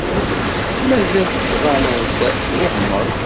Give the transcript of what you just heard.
Mazal tettbaneḍ-d twehmeḍ.